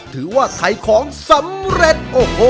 ถือว่าถ่ายของสำเร็จ